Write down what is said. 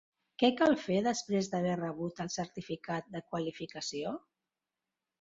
Què cal fer després d'haver rebut el certificat de qualificació?